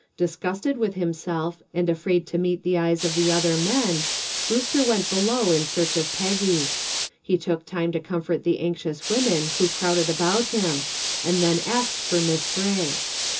Disgusted with himself and afraid to meet the eyes of the other men, Brewster went below in search of Peggy. He took time to comfort the anxious women who crowded about him and then asked for Miss Gray.